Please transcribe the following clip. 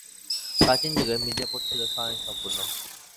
প্রাচীন যুগে মির্জাপুর ছিল স্বয়ংসম্পূর্ণ।